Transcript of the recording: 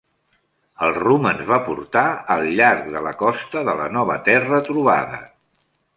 El rumb ens va portar al llarg de la costa de la nova terra trobada.